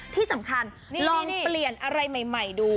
ที่สำคัญลองเปลี่ยนอะไรใหม่ดู